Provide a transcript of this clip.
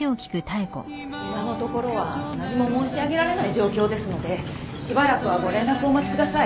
今のところは何も申し上げられない状況ですのでしばらくはご連絡をお待ちください。